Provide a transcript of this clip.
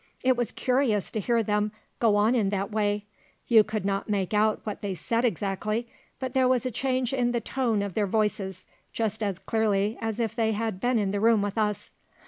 It was curious to hear them go on in that way. We could not make out what they said exactly, but there was a change in the tone of their voices, just as clearly as if they had been in the room with us.